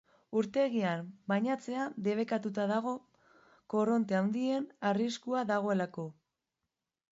Urtegian bainatzea debekatuta dago korronte handien arriskua dagoelako.